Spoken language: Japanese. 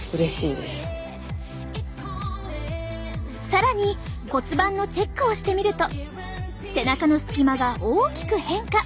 更に骨盤のチェックをしてみると背中の隙間が大きく変化。